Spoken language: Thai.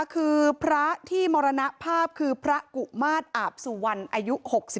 คือพระที่มรณภาพคือพระกุมาตรอาบสุวรรณอายุ๖๒